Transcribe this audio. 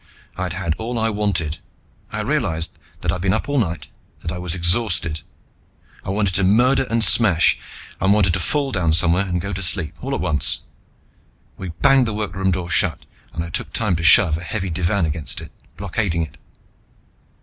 I'd had all I wanted. I realized that I'd been up all night, that I was exhausted. I wanted to murder and smash, and wanted to fall down somewhere and go to sleep, all at once. We banged the workroom door shut and I took time to shove a heavy divan against it, blockading it.